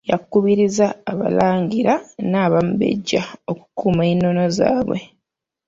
Yakubirizza abalangira n’abambejja okukuuma ennono zaabwe.